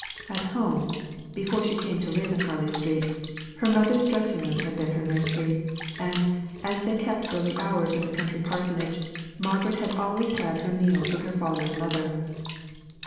At home before she came to live in Harley Street her mother's dressing room had been her nursery; and as they kept early hours in the country parsonage, Margaret had always had her meals with her father and mother.